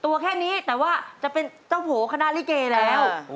ตัวแค่นี้แต่ว่าจะเป็นเจ้าโผคณะลิเกแล้ว